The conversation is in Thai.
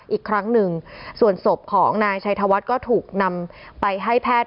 อีกครั้งหนึ่งส่วนศพของนายชัยธวัฒน์ก็ถูกนำไปให้แพทย์